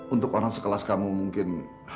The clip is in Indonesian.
untuk orang sekelas kamu mungkin